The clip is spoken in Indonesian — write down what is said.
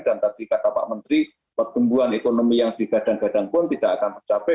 dan tadi kata pak menteri pertumbuhan ekonomi yang digadang gadang pun tidak akan tercapai